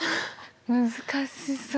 難しそう。